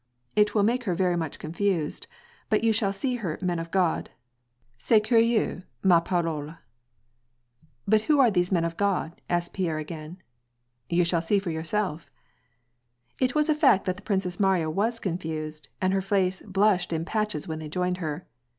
It will make her very much confused, but you shall see her *Men of Ckxi.' C^ed eurieuXy ma parole,'' " But who are these men of (lod ?" asked Pierre again. " You shall see for yourself." It was a fact that the Princess Mariya was confused, and her face blushed in patches when they joined her.